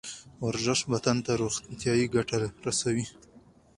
ورزش بدن ته روغتیایی ګټه رسوي